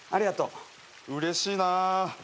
うれしいな。